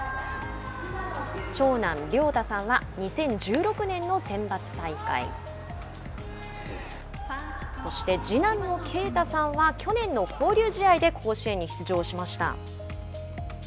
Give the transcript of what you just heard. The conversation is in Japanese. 長男・凌多さんは２０１６年のセンバツ大会次男・圭太さんは去年の交流試合で甲子園に出場しました。